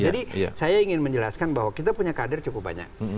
jadi saya ingin menjelaskan bahwa kita punya kader cukup banyak